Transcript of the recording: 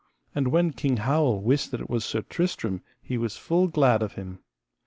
And when King Howel wist that it was Sir Tristram he was full glad of him.